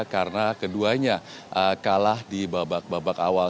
karena keduanya kalah di babak babak awal